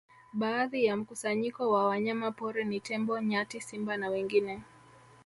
Baadhi ya mkusanyiko wa wanyama pori ni tembo nyati simba na wengine